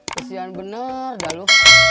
kesian bener dah lo